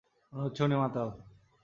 মনে হচ্ছে উনি মাতাল।